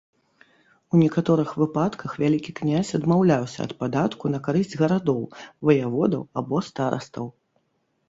У некаторых выпадках вялікі князь адмаўляўся ад падатку на карысць гарадоў, ваяводаў або старастаў.